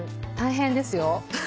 大変ですよ。